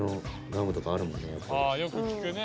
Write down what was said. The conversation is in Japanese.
「ああよく聞くね」